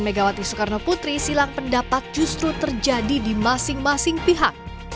megawati soekarno putri silang pendapat justru terjadi di masing masing pihak